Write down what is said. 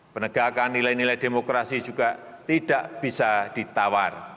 penegakan nilai nilai demokrasi juga tidak bisa ditawar